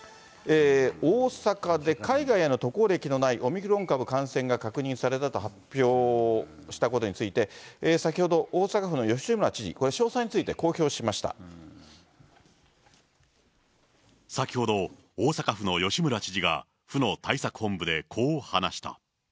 大阪で海外への渡航歴のないオミクロン株感染が確認されたと発表したことについて、先ほど、大阪府の吉村知事、これ、詳細につい先ほど、大阪府の吉村知事が府の対策本部でこう話した。